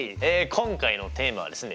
今回のテーマはですね